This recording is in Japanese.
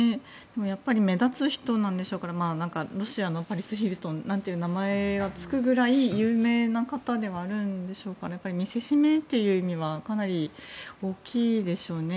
やっぱり目立つ人なんでしょうからロシアのパリス・ヒルトンなんて名前がつくくらい有名な方ではあるんでしょうから見せしめという意味はかなり大きいでしょうね。